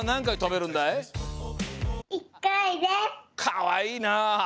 かわいいな！